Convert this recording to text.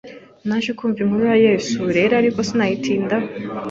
Naje kumva inkuru ya Yesu rero ariko sinayitindaho